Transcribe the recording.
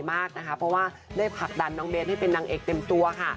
เพราะว่าได้ผลักดันน้องเบสให้เป็นนางเอกเต็มตัวค่ะ